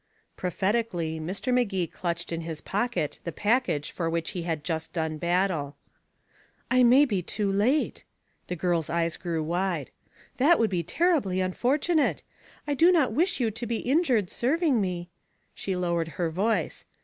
Prophetically Mr. Magee clutched in his pocket the package for which he had done battle. "I may be too late." The girl's eyes grew wide. "That would be terribly unfortunate. I do not wish you to be injured serving me " She lowered her voice.